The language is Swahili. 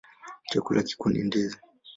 Chakula kikuu ni ndizi.